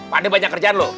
pakde banyak kerjaan lo